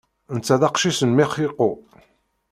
Netta d aqcic n Mexico.